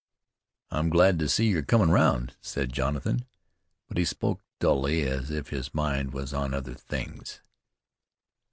"I'm glad to see you're comin' round," said Jonathan, but he spoke dully as if his mind was on other things.